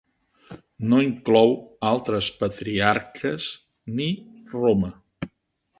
No inclou altres patriarques ni Roma.